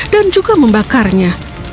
dan juga membakarnya